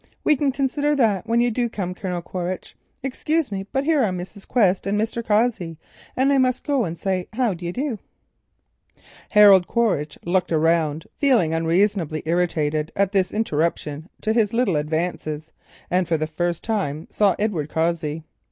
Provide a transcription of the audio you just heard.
"We can consider that when you do come, Colonel Quaritch—excuse me, but here are Mrs. Quest and Mr. Cossey, and I must go and say how do you do." Harold Quaritch looked round, feeling unreasonably irritated at this interruption to his little advances, and for the first time saw Edward Cossey.